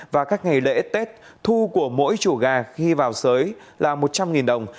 và các ngày lễ tết thu của mỗi chủ gà khi vào sới là một trăm linh đồng